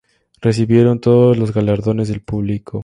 Recibieron todos los galardones del público.